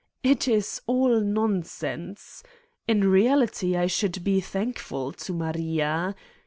It is all nonsense! In reality, I should be thankful to Maria.